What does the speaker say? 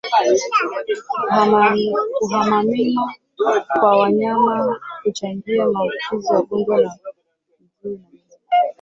Kuhamahama kwa wanyama huchangia maambukizi ya ugonjwa wa miguu na midomo